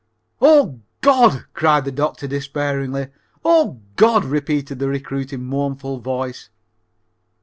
"Oh, God!" cried the doctor despairingly. "'Oh, God!'" repeated the recruit in a mournful voice.